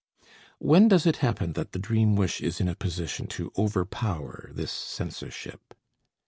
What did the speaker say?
When does it happen that the dream wish is in a position to overpower this censorship?